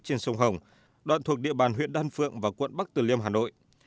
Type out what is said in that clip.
trên sông hồng đoạn thuộc địa bàn huyện đan phượng và quận bắc tử liêm hà nội